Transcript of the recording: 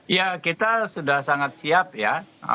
ya kita sudah sangat siap ya